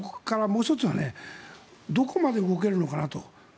もう１つはどこまで動けるのかなと。